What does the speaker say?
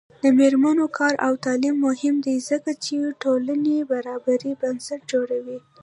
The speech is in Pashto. د میرمنو کار او تعلیم مهم دی ځکه چې ټولنې برابرۍ بنسټ جوړوي.